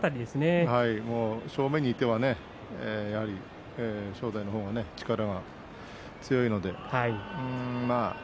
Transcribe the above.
もう正面にいてはね正代のほうが力が強いので。